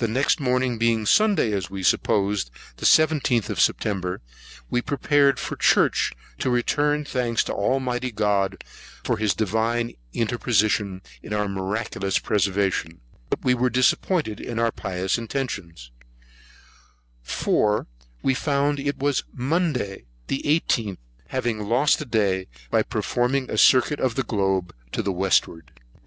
Next morning being Sunday, as we supposed, the 17th of September, we were preparing for Church, to return thanks to Almighty God, for his divine interposition in our miraculous preservation; but were disappointed in our pious intentions; for we found it was Monday, the 18th, having lost a day by performing a circuit of the globe to the westward.